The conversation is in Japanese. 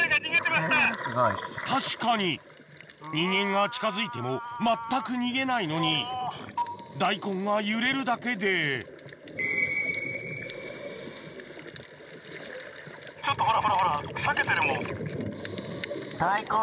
確かに人間が近づいても全く逃げないのに大根が揺れるだけでちょっとほらほらほら。